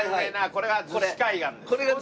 これが逗子海岸。